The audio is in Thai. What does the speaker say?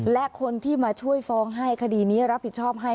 และคนที่มาช่วยฟ้องให้คดีนี้รับผิดชอบให้